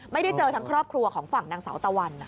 ไม่ได้เจอทั้งครอบครัวของฝั่งนางสาวตะวัน